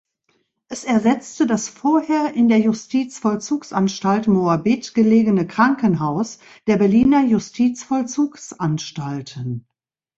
Es ersetzte das vorher in der Justizvollzugsanstalt Moabit gelegene Krankenhaus der Berliner Justizvollzugsanstalten.